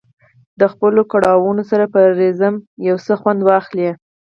د خپلو کړاوونو سره په رزم یو څه خوند واخلي.